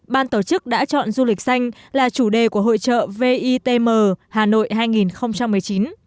ban tổ chức đã chọn du lịch xanh là chủ đề của hội trợ vitm hà nội hai nghìn một mươi chín